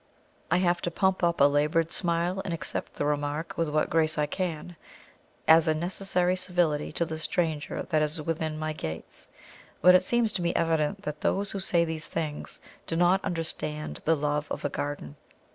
I have to pump up a laboured smile and accept the remark with what grace I can, as a necessary civility to the stranger that is within my gates, but it seems to me evident that those who say these things do not understand the love of a garden.